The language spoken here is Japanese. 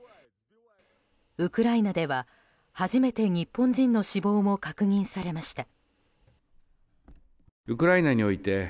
ウクライナでは、初めて日本人の死亡も確認されました。